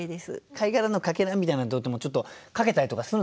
貝殻の欠片みたいなのともちょっとかけたりとかするんですかね。